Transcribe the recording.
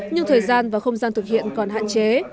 nhưng thời gian và không gian thực hiện còn hạn chế